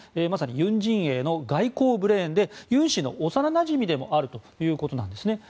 まさにユン陣営の外交ブレーンでユン氏の幼なじみでもあるということです。